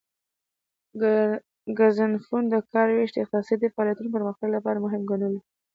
ګزنفون د کار ویش د اقتصادي فعالیتونو پرمختګ لپاره مهم ګڼلو